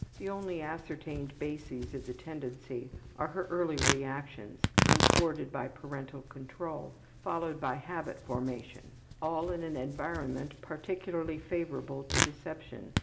The only ascertained bases of the tendency are her early reactions, unthwarted by parental control, followed by habit formation; all in an environment peculiarly favorable to deception.